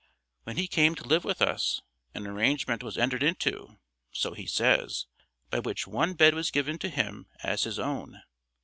When he came to live with us, an arrangement was entered into (so he says) by which one bed was given to him as his own.